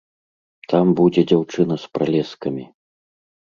Там будзе дзяўчына з пралескамі.